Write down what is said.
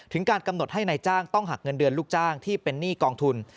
การกำหนดให้นายจ้างต้องหักเงินเดือนลูกจ้างที่เป็นหนี้กองทุน